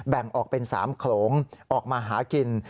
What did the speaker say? แบ่งออกเป็น๓โขลงออกมาหากิน